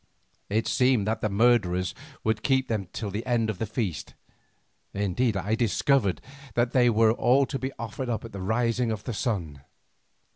It seemed that the murderers would keep them till the end of the feast, indeed I discovered that they were to be offered up at the rising of the sun.